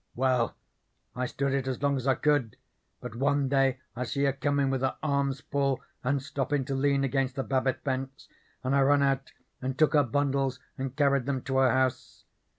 Well, I stood it as long as I could, but one day I see her comin' with her arms full and stoppin' to lean against the Babbit fence, and I run out and took her bundles and carried them to her house.